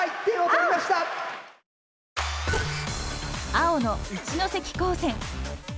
青の一関高専。